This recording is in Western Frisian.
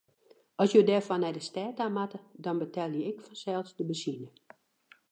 As jo derfoar nei de stêd ta moatte, dan betelje ik fansels de benzine.